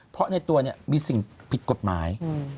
เพราะในตัวเนี่ยมีสิ่งผิดกฎหมาย